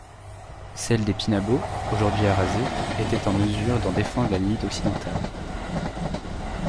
Celle des Pinabeaux, aujourd’hui arasée, était en mesure d’en défendre la limite occidentale.